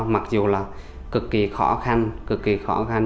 mặc dù là cực kỳ khó khăn cực kỳ khó khăn